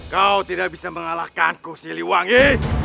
kau tidak bisa mengalahkanku siliwangi